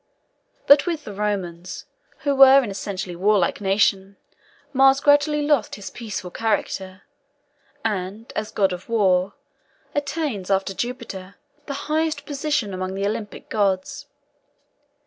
But with the Romans, who were an essentially warlike nation, Mars gradually loses his peaceful character, and, as god of war, attains, after Jupiter, the highest position among the Olympic gods.